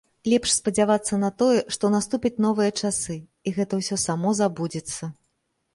Лепш спадзявацца на тое, што наступяць новыя часы, і гэта ўсё само забудзецца.